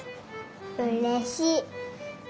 うれしい。